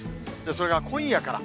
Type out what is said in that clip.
それが今夜から。